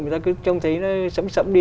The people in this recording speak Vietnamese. người ta cứ trông thấy nó sẫm sẫm đi